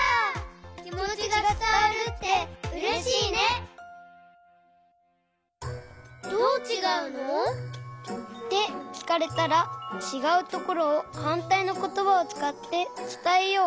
きもちがつたわるってうれしいね！ってきかれたらちがうところをはんたいのことばをつかってつたえよう！